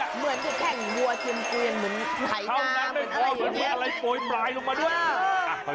เหมือนที่แข่งงัวเตียนเหมือนไทนาเหมือนอะไรอย่างนี้ครับเออ